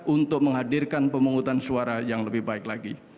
untuk menghadirkan pemungutan suara yang lebih baik lagi